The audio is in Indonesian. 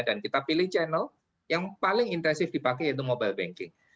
dan kita pilih channel yang paling intensif dipakai yaitu mobile banking